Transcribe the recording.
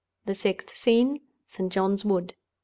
THE SIXTH SCENE. ST. JOHN'S WOOD.